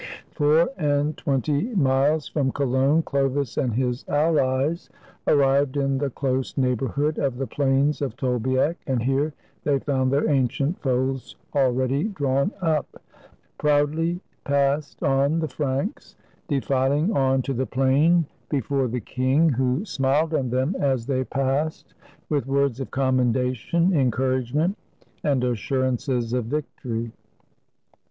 Four and twenty miles from Cologne, Chlovis and his allies arrived in the close neighborhood of the plains of Tolbiac, and here they found their ancient foes already drawn up. Proudly passed on the Franks, defiling on to the plain before the king, who smiled on them as they 145 FRANCE passed with words of commendation, encouragement, and assurances of victory.